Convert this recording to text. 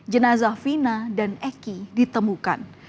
jenazah vina dan eki ditemukan